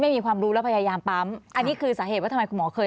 ไม่มีความรู้แล้วพยายามปั๊มอันนี้คือสาเหตุว่าทำไมคุณหมอเคย